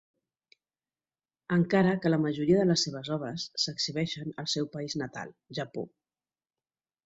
Encara que la majoria de les seves obres s'exhibeixen al seu país natal, Japó.